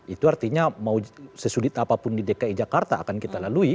itu artinya mau sesulit apapun di dki jakarta akan kita lalui